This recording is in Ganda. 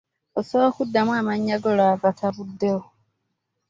Osobola okuddamu amannya go lwavataabuddewo.